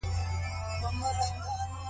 ورزش د هاضمي سیستم لپاره ګټور دی.